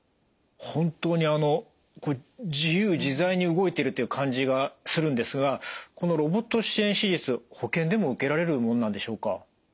本当にあの自由自在に動いてるという感じがするんですがこのロボット支援手術保険でも受けられるものなんでしょうか？